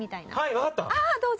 わかった。